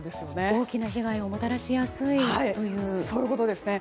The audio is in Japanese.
大きな被害をもたらしやすいということですね。